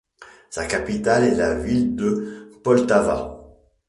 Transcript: Sa capitale est la ville de Poltava.